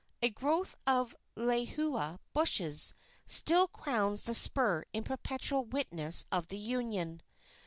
A growth of lehua bushes still crowns the spur in perpetual witness of the union.